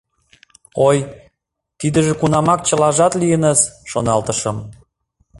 «Ой, тидыже кунамак чылажат лийыныс», — шоналтышым.